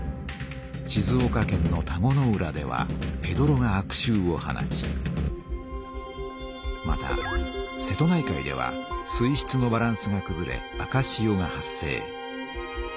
静岡県の田子の浦ではへどろが悪しゅうを放ちまた瀬戸内海では水しつのバランスがくずれ赤しおが発生。